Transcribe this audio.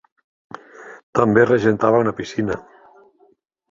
També regentava una piscina.